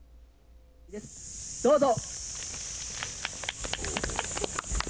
どうぞ。